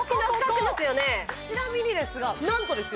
ちなみにですが何とですよ